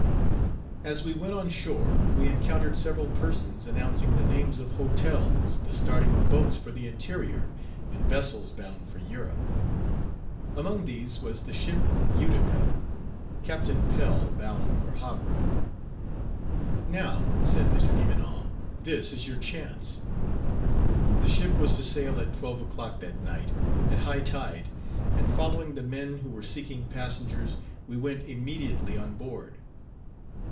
As we went on shore we encountered several persons announcing the names of hotels, the starting of boats for the interior, and vessels bound for Europe. Among these was the ship Utica, Captain Pell, bound for Havre. 'Now,' said Mr. Devenant, 'this is our chance.' The ship was to sail at 12 o'clock that night, at high tide; and following the men who were seeking passengers, we went immediately on board.